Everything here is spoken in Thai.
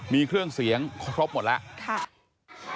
มีเครื่องเสียงครบหมดแล้ว